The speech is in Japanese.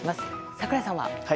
櫻井さんは。